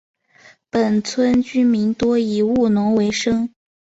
本村居民多以务农为生。